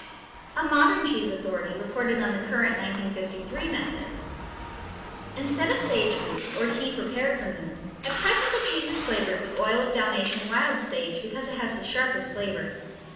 A modern cheese authority reported on the current (1953) method: Instead of sage leaves, or tea prepared from them, at present the cheese is flavored with oil of Dalmatian wild sage because it has the sharpest flavor.